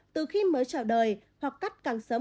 từ khi mới trở đời hoặc cắt càng sớm